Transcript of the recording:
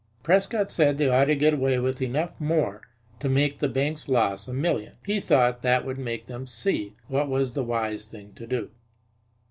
Prescott said they ought to get away with enough more to make the bank's loss a million. He thought that would make them see what was the wise thing to do.